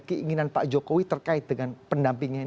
dan apa sih yang kemudian pak jokowi terkait dengan pendampingnya ini pak